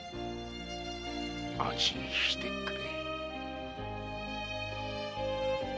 安心してくれ。